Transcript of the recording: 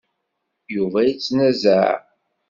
Yuba yettnazaɛ.